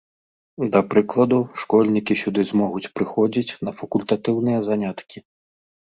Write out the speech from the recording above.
Да прыкладу, школьнікі сюды змогуць прыходзіць на факультатыўныя заняткі.